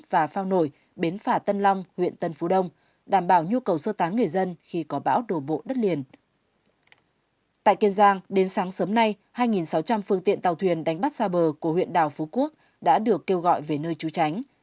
tại kiên giang đến sáng sớm nay hai sáu trăm linh phương tiện tàu thuyền đánh bắt xa bờ của huyện đảo phú quốc đã được kêu gọi về nơi trú tránh